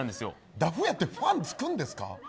ダフ屋ってファンつくんですか。